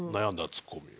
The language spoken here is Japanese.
ツッコミを。